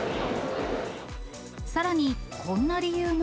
さらに、こんな理由も。